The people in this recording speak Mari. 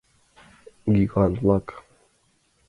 Гигант-влак!